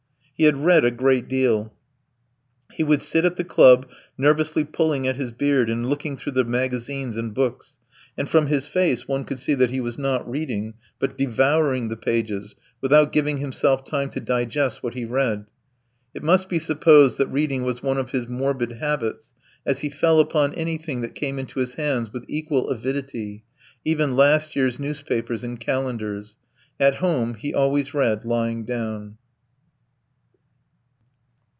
He had read a great deal. He would sit at the club, nervously pulling at his beard and looking through the magazines and books; and from his face one could see that he was not reading, but devouring the pages without giving himself time to digest what he read. It must be supposed that reading was one of his morbid habits, as he fell upon anything that came into his hands with equal avidity, even last year's newspapers and calendars. At home he always read lying down.